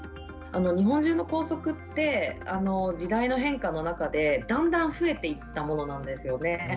日本中の校則って時代の変化の中でだんだん増えていったものなんですよね。